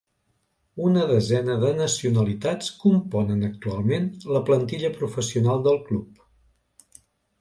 Una desena de nacionalitats componen actualment la plantilla professional del club.